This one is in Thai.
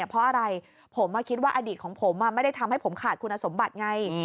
เพราะอะไรผมคิดว่าอดีตของผมไม่ได้ทำให้ผมขาดคุณสมบัติไง